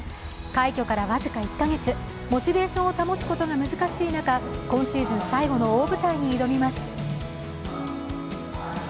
快挙から僅か１カ月、モチベーションを保つことが難しい中今シーズン最後の大舞台に挑みます。